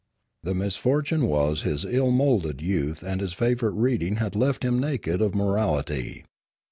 The misfortune was that his ill moulded youth and his favourite reading had left him naked of moral ity.